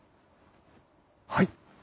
はい！